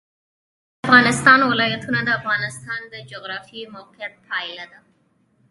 د افغانستان ولايتونه د افغانستان د جغرافیایي موقیعت پایله ده.